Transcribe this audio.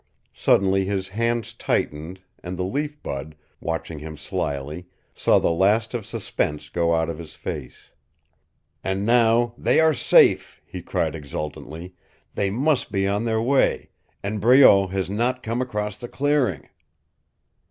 Suddenly his hands tightened, and the Leaf Bud, watching him slyly, saw the last of suspense go out of his face. "And now they are safe," he cried exultantly. "They must be on their way and Breault has not come across the clearing!"